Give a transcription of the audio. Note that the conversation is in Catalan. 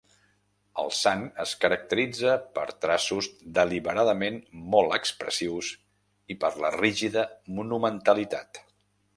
El sant es caracteritza per traços deliberadament molt expressius i per la rígida monumentalitat.